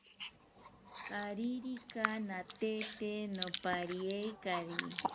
Aririka natete nopariekari